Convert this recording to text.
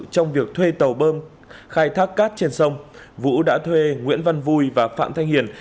trong việc thuê tàu bơm khai thác cát trên sông vũ đã thuê nguyễn văn vui và phạm thanh hiền